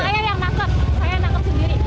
saya yang nangkep saya nangkep sendiri